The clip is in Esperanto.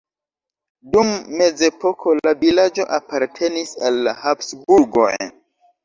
Dum mezepoko la vilaĝo apartenis al la Habsburgoj.